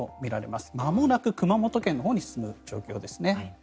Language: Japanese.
まもなく熊本県のほうに進む状況ですね。